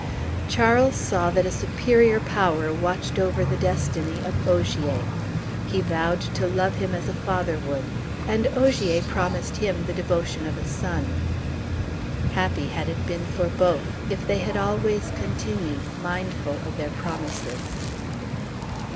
Charles saw that a superior power watched over the destinies of Ogier; he vowed to love him as a father would, and Ogier promised him the devotion of a son. Happy had it been for both if they had always continued mindful of their promises.